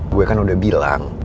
gue kan udah bilang